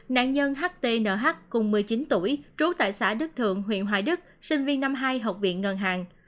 nạn nhân ht nh cùng một mươi chín tuổi trú tại xã đức thượng huyện hoài đức sinh viên năm hai học viện ngân hàng